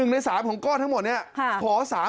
ใน๓ของก้อนทั้งหมดเนี่ยขอ๓๐